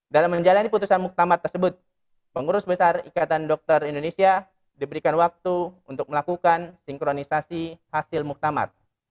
dalam menjalani putusan muktamar tersebut pengurus besar ikatan dokter indonesia diberikan waktu untuk melakukan sinkronisasi hasil muktamar